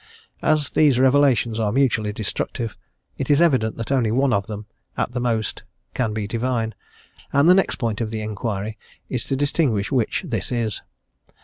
As these revelations are mutually destructive, it is evident that only one of them, at the most can be Divine, and the next point of the inquiry is to distinguish which this is.